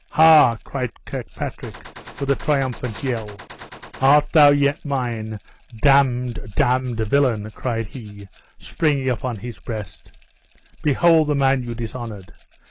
"Ha!" cried Kirkpatrick, with a triumphant yell, "art thou yet mine? Damned, damned villain!" cried he, springing upon his breast: "Behold the man you dishonored!